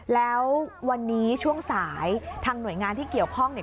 แล้ววันนี้ช่วงสายทางหน่วยงานที่เกี่ยวข้องเนี่ย